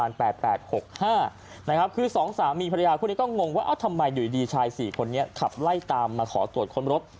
นะครับคือ๒สามีพระยาคุณเนี่ยก็งงว่าทำไมดีชาย๔คนนี้ขับไล่ตามมาขอตรวจค้นรถ